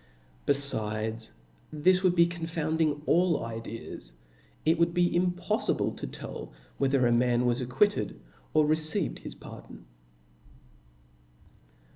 Befid^, this would be (ionfotinding all ideas \ it would be impoffible to tell whether a man was ac quitted, or received his pardon.